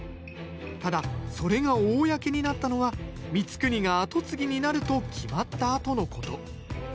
ただそれが公になったのは光圀が跡継ぎになると決まったあとのこと。